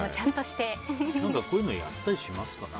こういうのやったりします？